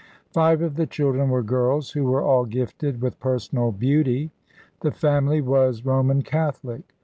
Five of the children were girls, who were all gifted with personal beauty. The family was Roman Catholic.